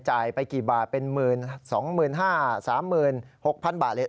จ่ายไปกี่บาทเป็น๑๐๐๐๐๑๕๐๐๐๓๐๐๐๐๖๐๐๐บาท